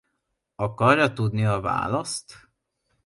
Akarja tudni a választ?